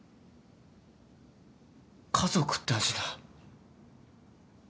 家族って味だ。